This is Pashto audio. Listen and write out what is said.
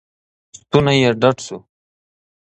ستونی یې ډډ شو.